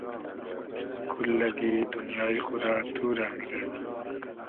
کوللئگی دونیای خو رۂ تو رۂ میدیم